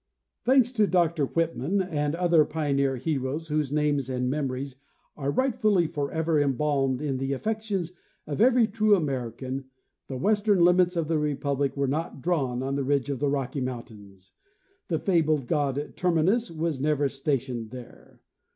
Thanks to Dr Whitman and other pioneer heroes whose names and memories are rightfully forever embalmed in the affections of every true American, the western limits of the Republic were not drawn on the ridge of the Rocky mountains. The fabled god "Terminus" was never stationed there.